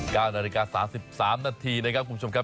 ๙นาฬิกา๓๓นาทีนะครับคุณผู้ชมครับ